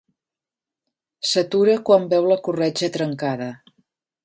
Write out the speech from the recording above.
S'atura quan veu la corretja trencada.